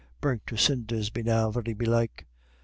Burnt to cinders be now very belike."